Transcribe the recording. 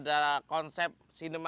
diperoleh oleh clc purbalingga